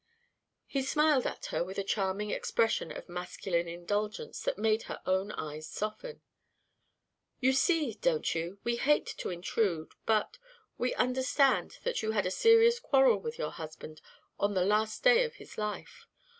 He smiled at her with a charming expression of masculine indulgence that made her own eyes soften. "You see don't you we hate to intrude but we understand that you had a serious quarrel with your husband on the last day of his life.